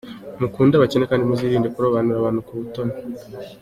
Mukunde abakene akandi muzirinde kurobanura abantu ku butoni.